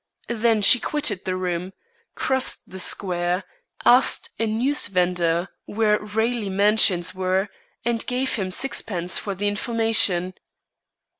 Then she quitted the room, crossed the square, asked a news vendor where Raleigh Mansions were, and gave him sixpence for the information."